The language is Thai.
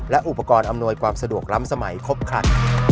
และอุปกรณ์อำนวยความสะดวกล้ำสมัยครบครัน